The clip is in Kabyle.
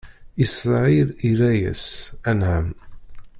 Isṛayil irra-yas: Anɛam!